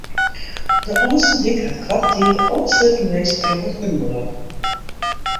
De Ofslútdyk hat koarte tiid ôfsletten west troch it ûngelok.